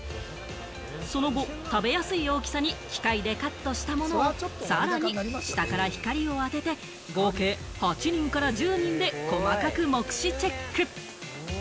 その後、食べやすい大きさに機械でカットしたものをさらに下から光を当てて、合計８人から１０人で細かく目視チェック。